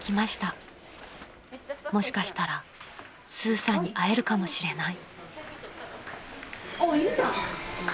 ［もしかしたらスーさんに会えるかもしれない］